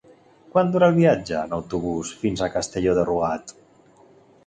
Quant dura el viatge en autobús fins a Castelló de Rugat?